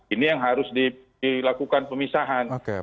ini yang harus dilakukan pemisahan